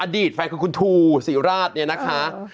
สีทูสีราดเนี่ยนะคะ